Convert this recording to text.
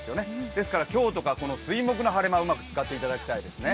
ですとか今日とか、水木の晴れ間をうまく使ってほしいですね。